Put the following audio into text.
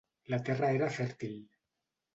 La terra era fèrtil.